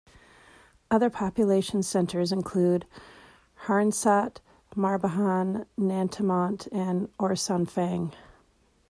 Other population centers include: Harinsart, Marbehan, Nantimont, and Orsainfaing.